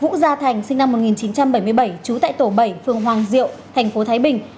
vũ gia thành sinh năm một nghìn chín trăm bảy mươi bảy trú tại tổ bảy phường hoàng diệu thành phố thái bình